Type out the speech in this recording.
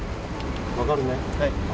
分かるね？